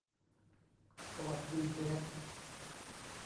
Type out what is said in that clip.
สวัสดีเดฟ